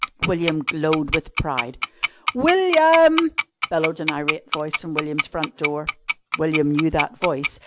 William glowed with pride. "William!" bellowed an irate voice from William's front door. William knew that voice.